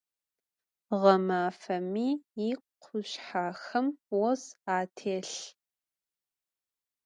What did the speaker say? Ğemafemi yikhuşshexem vos atêlh.